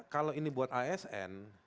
kalau ini buat asn